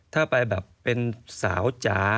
ถ้าไปแบบเป็นสาวจ๋า